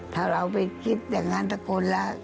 ถ้าเราไปคิดอย่างนั้นสักคนแล้ว